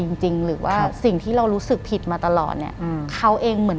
หลังจากนั้นเราไม่ได้คุยกันนะคะเดินเข้าบ้านอืม